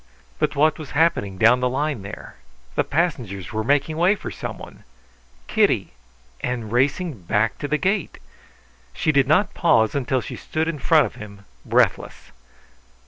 But what was happening down the line there? The passengers were making way for someone. Kitty, and racing back to the gate! She did not pause until she stood in front of him, breathless.